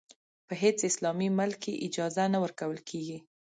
په هېڅ اسلامي ملک کې اجازه نه ورکول کېږي.